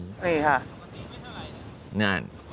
นี่ค่ะ